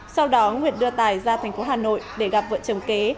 sau đó nguyệt đưa tài ra tp hà nội để gặp vợ trầm kế